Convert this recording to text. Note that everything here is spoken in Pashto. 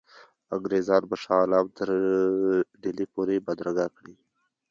انګرېزان به شاه عالم تر ډهلي پوري بدرګه کړي.